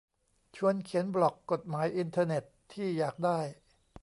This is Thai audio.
ชวนเขียนบล็อก กฎหมายอินเทอร์เน็ตที่อยากได้